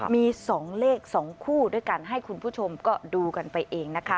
มี๒เลข๒คู่ด้วยกันให้คุณผู้ชมก็ดูกันไปเองนะคะ